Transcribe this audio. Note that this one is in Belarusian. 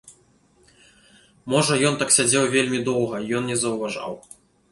Можа ён так сядзеў вельмі доўга, ён не заўважаў.